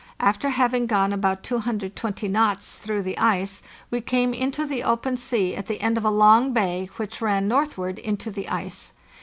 After having gone about 220 knots through the ice, we came into the open sea at the end of a long bay, which ran northward into the ice.